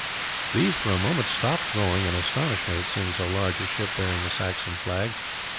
These for a moment stopped rowing in astonishment at seeing so large a ship bearing the Saxon flag.